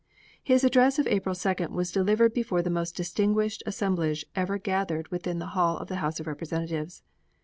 His address of April 2d was delivered before the most distinguished assemblage ever gathered within the hall of the House of Representatives.